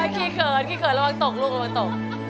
ขี้เขินขี้เขินระวังตกลูกระวังตก